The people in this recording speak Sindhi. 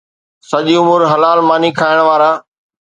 سڄي عمر حلال ماني کائڻ وارا